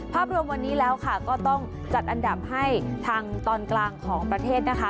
ภาพรวมวันนี้แล้วค่ะก็ต้องจัดอันดับให้ทางตอนกลางของประเทศนะคะ